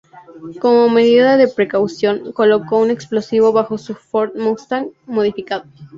Como medida de precaución, coloca un explosivo bajo su Ford Mustang modificado.